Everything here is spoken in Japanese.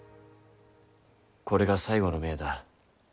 これが最後の命だ。